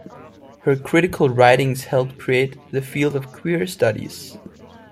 Her critical writings helped create the field of queer studies.